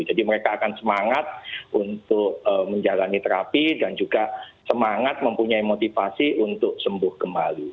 jadi mereka akan semangat untuk menjalani terapi dan juga semangat mempunyai motivasi untuk sembuh kembali